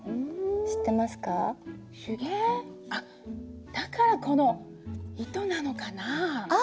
あっだからこの糸なのかなあ？